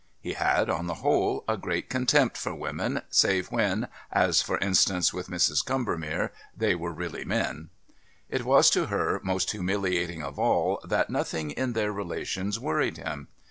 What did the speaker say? He had, on the whole, a great contempt for women save when, as for instance with Mrs. Combermere, they were really men. It was to her most humiliating of all, that nothing in their relations worried him.